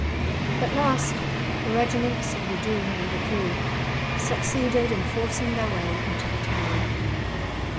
At last, the regiments of Loudoun and Buccleugh succeeded in forcing their way into the town.